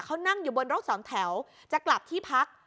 เขานั่งอยู่บนรถสองแถวจะกลับที่พัก